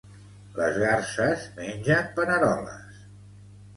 Les garses mengen paneroles